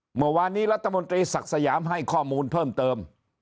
เมื่อวานนี้รัฐมนตรีศักดิ์สยามให้ข้อมูลเพิ่มเติม